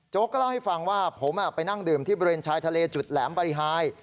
ก็เล่าให้ฟังว่าผมไปนั่งดื่มที่บริเวณชายทะเลจุดแหลมบริหาย